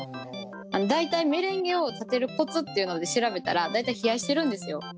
大体メレンゲを立てるコツっていうので調べたら大体冷やしてるんですよ。